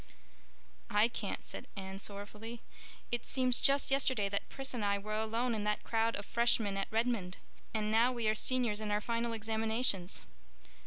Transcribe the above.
"I can't," said Anne, sorrowfully. "It seems just yesterday that Pris and I were alone in that crowd of Freshmen at Redmond. And now we are Seniors in our final examinations."